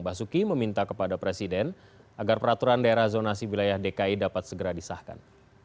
basuki meminta kepada presiden agar peraturan daerah zonasi wilayah dki dapat segera disahkan